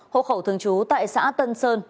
hộ khẩu thường trú tại xã tân sơn